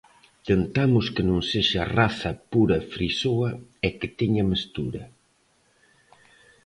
Tentamos que non sexa raza pura frisoa e que teña mestura.